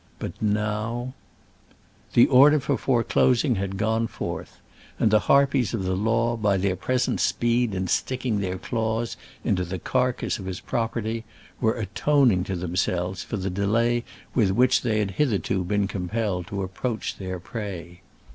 But now, The order for foreclosing had gone forth, and the harpies of the law, by their present speed in sticking their claws into the carcase of his property, were atoning to themselves for the delay with which they had hitherto been compelled to approach their prey.